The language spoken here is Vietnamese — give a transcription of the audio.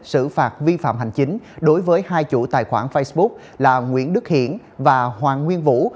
xử phạt vi phạm hành chính đối với hai chủ tài khoản facebook là nguyễn đức hiển và hoàng nguyên vũ